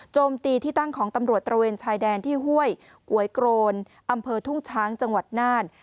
มตีที่ตั้งของตำรวจตระเวนชายแดนที่ห้วยก๋วยโกรนอำเภอทุ่งช้างจังหวัดน่าน